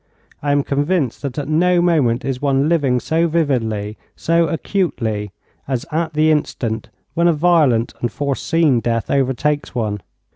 I am convinced that at no moment is one living so vividly, so acutely, as at the instant when a violent and foreseen death overtakes one.